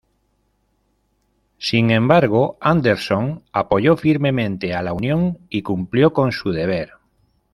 Sin embargo, Anderson apoyó firmemente a la Unión y cumplió con su deber.